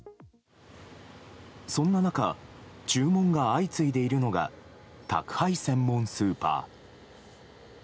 そんな中注文が相次いでいるのが宅配専門スーパー。